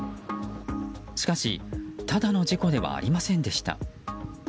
しかし、ただの事故ではありませんでした。